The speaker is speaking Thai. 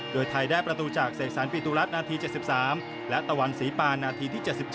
โดยไทยได้ประตูจากเสกสรรปิตุรัฐนาที๗๓และตะวันศรีปานาทีที่๗๗